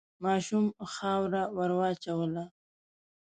ماشوم خاوره وواچوله.